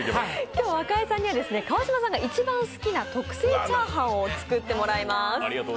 今日、若井さんには川島さんの一番好きな特製チャーハンを作ってもらいます。